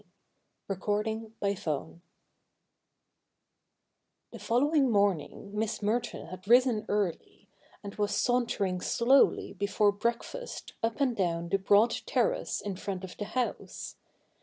v CHAPTER n The following morning Miss Merton had risen early, and was sauntering slowly before breakfast up and down the broad terrace in front of the house.